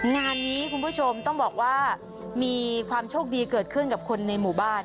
งานนี้คุณผู้ชมต้องบอกว่ามีความโชคดีเกิดขึ้นกับคนในหมู่บ้าน